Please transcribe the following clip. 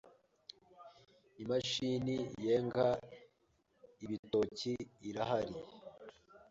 Imashini yenga ibitoki irahari